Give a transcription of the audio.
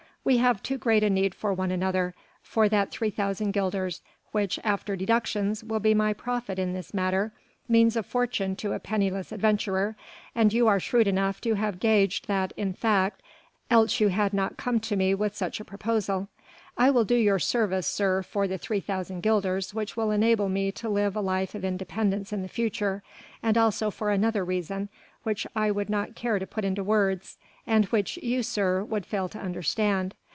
we have too great a need for one another; for that 3,000 guilders which, after deductions, will be my profit in this matter means a fortune to a penniless adventurer, and you are shrewd enough to have gauged that fact, else you had not come to me with such a proposal. I will do you service, sir, for the 3,000 guilders which will enable me to live a life of independence in the future, and also for another reason, which I would not care to put into words, and which you, sir, would fail to understand.